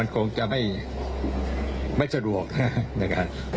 คงจะไม่สะดวกนะครับ